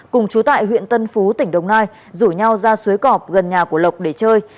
cùng chú tại huyện tân phú tỉnh đồng nai rủ nhau ra suối cọp gần nhà của lộc để chơi